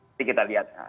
ini kita lihat